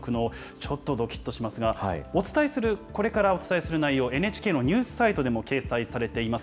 ちょっとどきっとしますが、これからお伝えする内容、ＮＨＫのニュースサイトでも掲載されています。